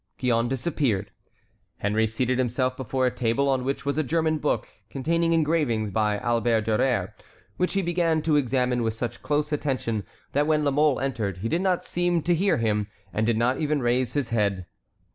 Gillonne disappeared. Henry seated himself before a table on which was a German book containing engravings by Albert Durer, which he began to examine with such close attention that when La Mole entered he did not seem to hear him, and did not even raise his head.